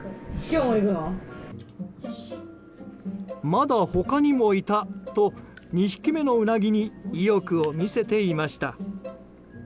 まだ他にもいたと２匹目のウナギに意欲を見せていました。